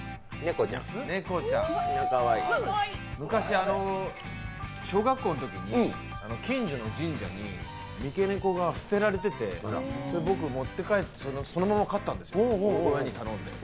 昔、小学校のときに近所の神社に三毛猫が捨てられてて、僕、持って帰ってそのまま飼ったんですよ、親に頼んで。